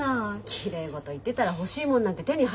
きれい事言ってたら欲しいもんなんて手に入んないよ。